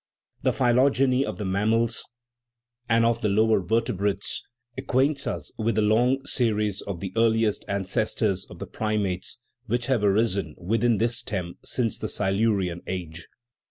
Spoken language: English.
The phylogeny of the mammals and of 149 THE RIDDLE OF THE UNIVERSE the lower vertebrates acquaints us with the long series of the earlier ancestors of the primates which have arisen within this stem since the Silurian age.